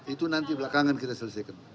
itu nanti belakangan kita selesaikan